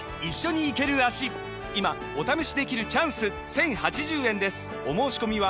今お試しできるチャンス１，０８０円ですお申込みは